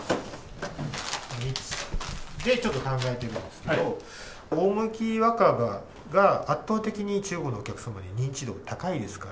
３つでちょっと考えてるんですけれども、大麦若葉が圧倒的に中国のお客様に認知度が高いですから。